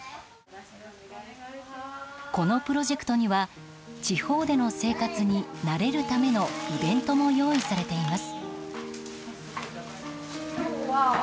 このプロジェクトには地方での生活に慣れるためのイベントも用意されています。